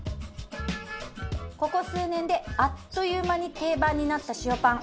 ここ数年であっという間に定番になった塩パン。